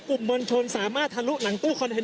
คุณภูริพัฒน์บุญนิน